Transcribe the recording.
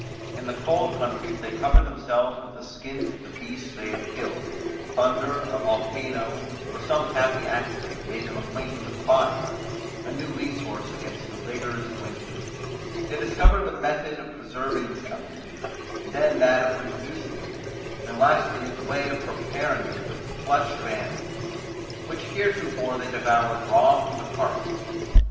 In the cold countries they covered themselves with the skins of the beasts they had killed; thunder, a volcano, or some happy accident made them acquainted with fire, a new resource against the rigours of winter: they discovered the method of preserving this element, then that of reproducing it, and lastly the way of preparing with it the flesh of animals, which heretofore they devoured raw from the carcass.